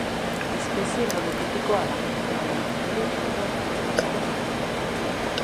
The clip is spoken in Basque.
Espezie monotipikoa da, hau da, bere generoan dagoen bakarra da.